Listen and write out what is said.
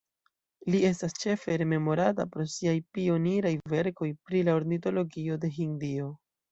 Li estas ĉefe rememorata pro siaj pioniraj verkoj pri la ornitologio de Hindio.